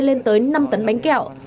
nên lên tới năm tấn bánh kẹo